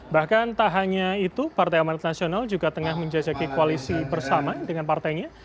bahkan tak hanya itu partai amanat nasional juga tengah menjajaki koalisi bersama dengan partainya